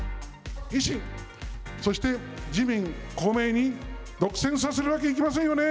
維新、そして自民、公明に独占させるわけにいきませんよね。